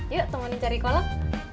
yuk temani cari kolak